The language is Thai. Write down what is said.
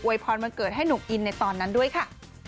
พรวันเกิดให้หนุ่มอินในตอนนั้นด้วยค่ะ